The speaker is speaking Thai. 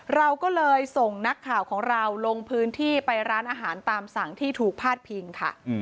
เราก็เลยส่งนักข่าวของเราลงพื้นที่ไปร้านอาหารตามสั่งที่ถูกพาดพิงค่ะ